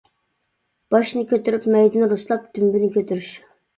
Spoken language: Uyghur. باشنى كۆتۈرۈپ مەيدىنى رۇسلاپ، دۈمبىنى كۆتۈرۈش.